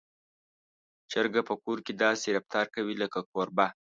چرګه په کور کې داسې رفتار کوي لکه کوربه.